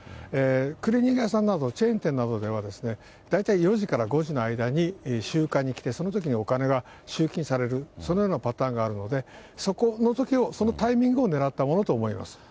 クリーニング屋さんなどチェーン店などでは、大体４時から５時の間に集荷に来て、そのときにお金が集金される、そのようなパターンがあるので、そこのときを、そのタイミングを狙ったものと思います。